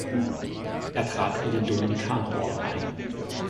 Er trat in den Dominikanerorden ein.